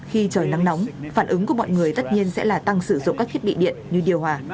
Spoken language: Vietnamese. khi trời nắng nóng phản ứng của mọi người tất nhiên sẽ là tăng sử dụng các thiết bị điện như điều hòa